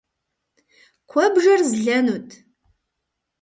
Куэбжэр злэнут.